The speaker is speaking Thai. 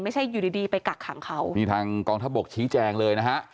ไม่ใช่อยู่ดีดีไปกักขังเขานี่ทางกองทัพบกชี้แจงเลยนะฮะ